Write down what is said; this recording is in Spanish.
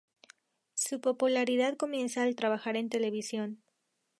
Su popularidad comienza al trabajar en televisión.